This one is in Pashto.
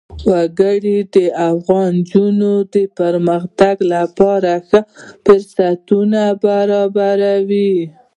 وګړي د افغان نجونو د پرمختګ لپاره ښه فرصتونه برابروي.